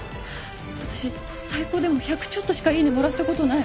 私最高でも１００ちょっとしかいいねもらったことない。